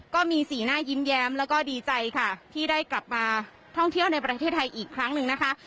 ก็มีสีหน้ายิ้มแย้มแล้วก็ดีใจค่ะที่ได้กลับมาท่องเที่ยวในประเทศไทยอีกครั้งหนึ่งนะคะ